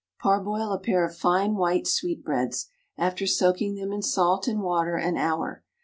_ Parboil a pair of fine white sweetbreads, after soaking them in salt and water an hour.